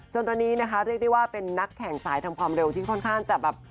จนตอนนี้นะคะเรียกได้ว่าเป็นนักแข่งสายทำความเร็วที่ค่อนข้างจะแบบ